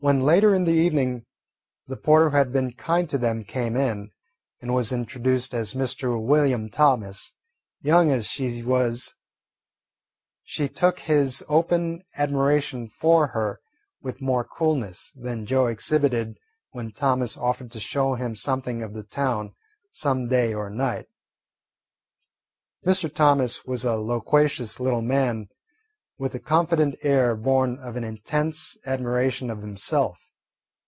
When later in the evening the porter who had been kind to them came in and was introduced as Mr. William Thomas, young as she was, she took his open admiration for her with more coolness than Joe exhibited when Thomas offered to show him something of the town some day or night. Mr. Thomas was a loquacious little man with a confident air born of an intense admiration of himself.